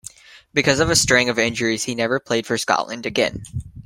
Because of a string of injuries, he never played for Scotland again.